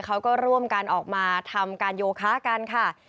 เขาก็ร่วมกันออกมาทำการโยคะกันค่ะ